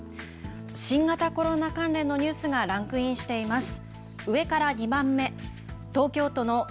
新型コロナ関連のニュースがランクインしています。